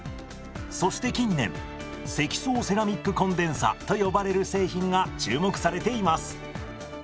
そして近年積層セラミックコンデンサと呼ばれる製品が注目されています。